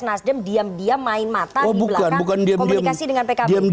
nasdem diam diam main mata di belakang komunikasi dengan pkb